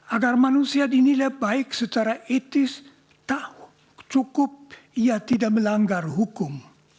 agar manusia dinilai baik secara etis tak cukup ia tidak melanggar hukum